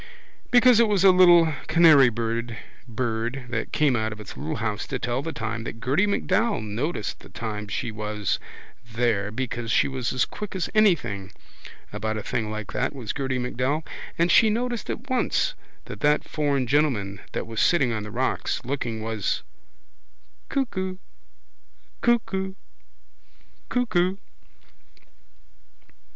Because it was a little canarybird that came out of its little house to tell the time that Gerty MacDowell noticed the time she was there because she was as quick as anything about a thing like that, was Gerty MacDowell, and she noticed at once that that foreign gentleman that was sitting on the rocks looking was Cuckoo Cuckoo Cuckoo.